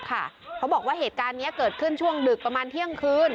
เขาบอกว่าเหตุการณ์นี้เกิดขึ้นช่วงดึกประมาณเที่ยงคืน